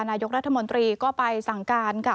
นายกรัฐมนตรีก็ไปสั่งการค่ะ